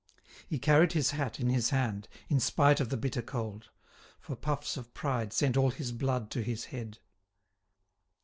He carried his hat in his hand in spite of the bitter cold; for puffs of pride sent all his blood to his head.